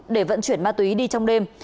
để vận chuyển ma túy đi trong đêm